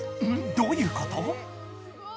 どういうこと？